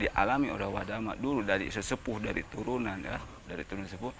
kita alami oleh wadah amat dulu dari sesepuh dari turunan